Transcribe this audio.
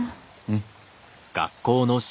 うん。